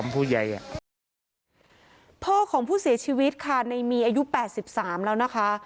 เป็นผู้เสียชีวิตในมีอายุ๘๓แล้วนะคะ